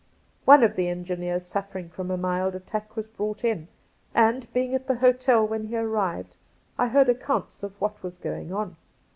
One of the engineers suffering from a mild attack was brought in, and, being at the hotel when he arrived, I heard accounts of what was going on.